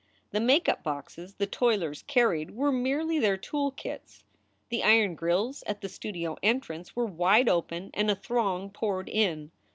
The make up boxes the toilers carried were merely their tool kits. The iron grills at the studio entrance were wide open and a throng poured in.